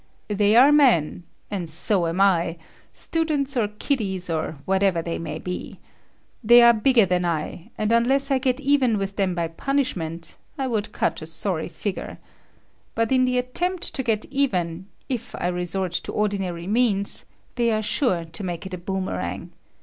They are men and so am I—students or kiddies or whatever they may be. They are bigger than I, and unless I get even with them by punishment, I would cut a sorry figure. But in the attempt to get even, if I resort to ordinary means, they are sure to make it a boomerang.